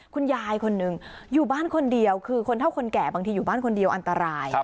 คุณยายคนหนึ่งอยู่บ้านคนเดียวคือคนเท่าคนแก่บางทีอยู่บ้านคนเดียวอันตราย